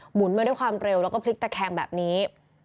มาด้วยความเร็วแล้วก็พลิกตะแคงแบบนี้